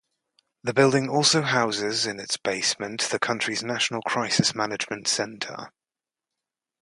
The building also houses, in its basement, the country's National Crisis Management Centre.